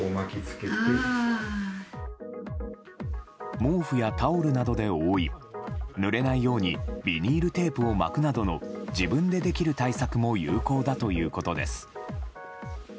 毛布やタオルなどで覆いぬれないようにビニールテープを巻くなどの自分でできる対策も有効だということです。